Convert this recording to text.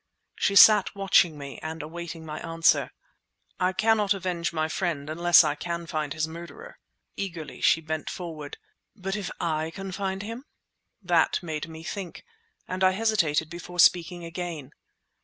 She sat watching me and awaiting my answer. "I cannot avenge my friend unless I can find his murderer." Eagerly she bent forward. "But if I can find him?" That made me think, and I hesitated before speaking again.